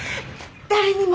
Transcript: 誰にも。